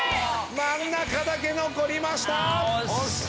真ん中だけ残りました！